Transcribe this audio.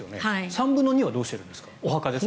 ３分の２はどうしているんですか？